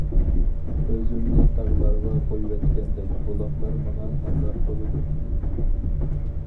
ئۆزۈمنى تاغلارغا قويۇۋەتكەندە بۇلاقلار ماڭا ھەمراھ بولىدۇ.